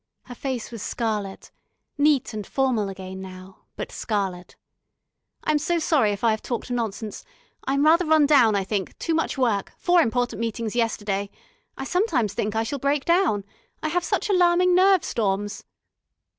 Her face was scarlet neat and formal again now, but scarlet. "I am so sorry if I have talked nonsense. I am rather run down, I think, too much work, four important meetings yesterday. I sometimes think I shall break down. I have such alarming nerve storms."